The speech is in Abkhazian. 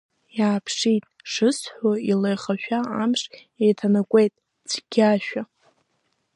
Иааԥшит шысҳәо илеихашәа, амш еиҭанакуеит цәгьашәа.